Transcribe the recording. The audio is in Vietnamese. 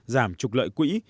giảm trục lợi quỹ